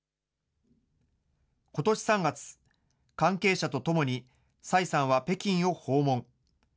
ことし３月、関係者と共に、蔡さんは北京を訪問。